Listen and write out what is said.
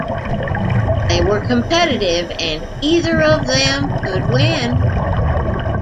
They were competitive and either of them could win.